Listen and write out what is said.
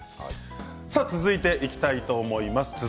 続いていきたいと思います。